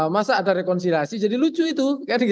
masa ada rekonsiliasi jadi lucu itu